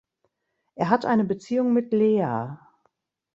Er hat eine Beziehung mit Leah.